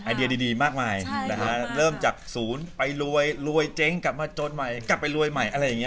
อิเดียดีมากมายเริ่มจากศูนย์ไปรวยรวยเจ๊งกลับมาโจทย์ใหม่กลับไปรวยใหม่